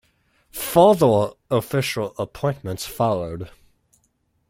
Further official appointments followed.